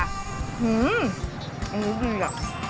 อันนี้ดีอะ